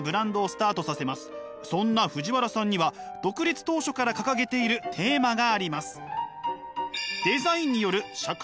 そんな藤原さんには独立当初から掲げているテーマがあります。